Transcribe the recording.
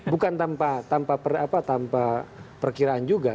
bukan tanpa perkiraan juga